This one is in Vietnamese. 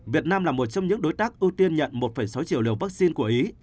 việt nam là một trong những đối tác ưu tiên nhận một sáu triệu liều vaccine của ý